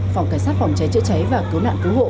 phòng cảnh sát phòng cháy chữa cháy và cứu nạn cứu hộ